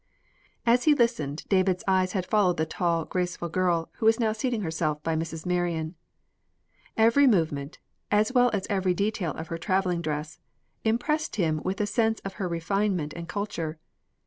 As he listened, David's eyes had followed the tall, graceful girl who was now seating herself by Mrs. Marion. Every movement, as well as every detail of her traveling dress, impressed him with a sense of her refinement and culture.